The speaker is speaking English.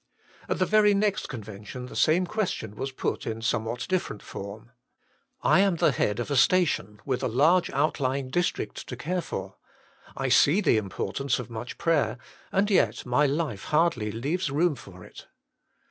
At the very next Convention the same question was put in somewhat different form. " I am at the head of a station, with a large outlying district to care for. I see the importance of much prayer, and yet my life hardly leaves room for it.